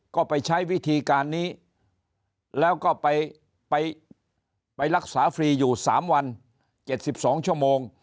ก็ไปใช้วิธีการนี้แล้วก็ไปรักษาฟรีอยู่๓วัน๗๒ชั่วโมง